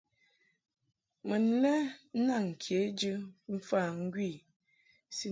Mun lɛ naŋ kejɨ mf ambo ŋgwi i.